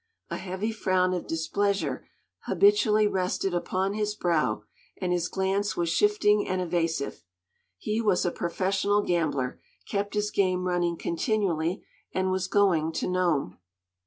A heavy frown of displeasure habitually rested upon his brow, and his glance was shifting and evasive. He was a professional gambler, kept his game running continually, and was going to Nome.